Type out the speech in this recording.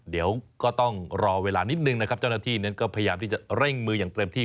เดี๋ยวก็ต้องรอเวลานิดนึงนะครับเจ้าหน้าที่นั้นก็พยายามที่จะเร่งมืออย่างเต็มที่